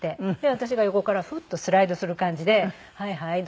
私が横からフッとスライドする感じではいはい。